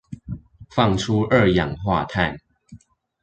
放出二氧化碳